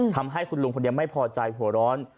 ทำให้คุณลุงคนเดียวไม่พอใจหัวร้อน